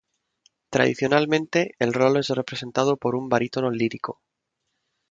Tradicionalmente, el rol es representado por un barítono lírico.